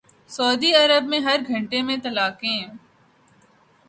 سعودی عرب میں ہر گھنٹے میں طلاقیں